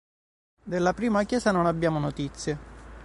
Della prima chiesa non abbiamo notizie.